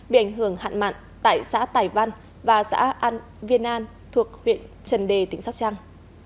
bị ảnh hưởng hạn mặn tại xã tài văn và xã an viên an thuộc huyện trần đề tỉnh sóc trăng